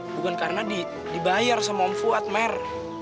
bukan karena dibayar sama fuad mer